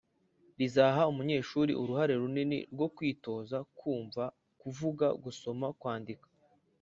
rizaha umunyeshuri uruhare runini rwo kwitoza kumva, kuvuga, gusoma, kwandika,